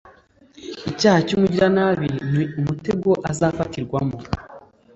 Icyaha cy’umugiranabi ni umutego azafatirwamo